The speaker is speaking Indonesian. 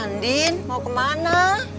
nek andin mau kemana